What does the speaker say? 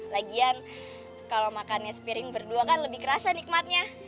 lagian kalau makannya spiring berdua kan lebih kerasa nikmatnya